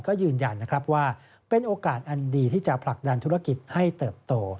ก็ยืนยันนะครับว่าเป็นโอกาสอันดีที่จะผลักดันธุรกิจให้เติบโต